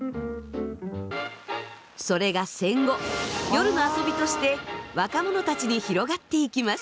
それが戦後夜の遊びとして若者たちに広がっていきます。